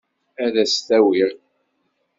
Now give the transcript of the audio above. Ad as-t-awiɣ.